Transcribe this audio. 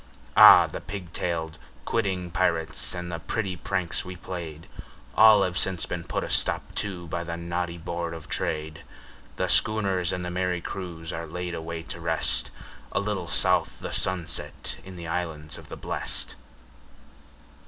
Ah! the pig tailed, quidding pirates and the pretty pranks we played, All have since been put a stop to by the naughty Board of Trade; The schooners and the merry crews are laid away to rest, A little south the sunset in the Islands of the Blest.